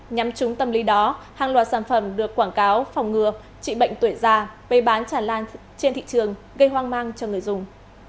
nhằm trúng tâm lý đó hàng loạt sản phẩm được quảng cáo phòng ngừa trị bệnh tuổi già bày bán tràn lan trên thị trường gây hoang mang cho người dùng